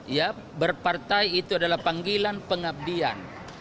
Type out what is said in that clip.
ya berpartai itu adalah panggilan pengabdian